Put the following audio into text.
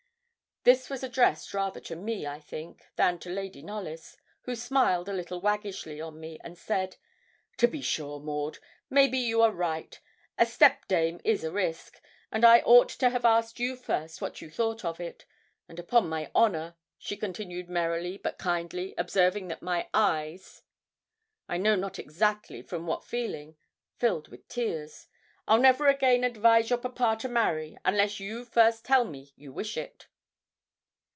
This was addressed rather to me, I think, than to Lady Knollys, who smiled a little waggishly on me, and said 'To be sure, Maud; maybe you are right; a stepdame is a risk, and I ought to have asked you first what you thought of it; and upon my honour,' she continued merrily but kindly, observing that my eyes, I know not exactly from what feeling, filled with tears, 'I'll never again advise your papa to marry, unless you first tell me you wish it.'